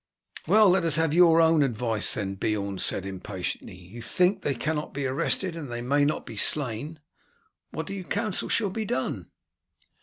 "Well, let us have your own advice, then," Beorn said impatiently. "You think they cannot be arrested and they may not be slain. What do you counsel shall be done!"